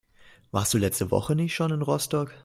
Warst du letzte Woche nicht schon in Rostock?